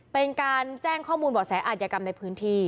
เป็นการแจ้งข้อมูลบ่อแสอาธิกรรมในพื้นที่